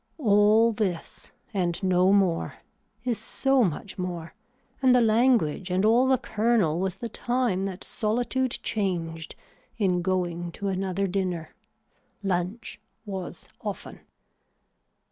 All this and no more is so much more and the language and all the kernel was the time that solitude changed in going to another dinner. Lunch was often.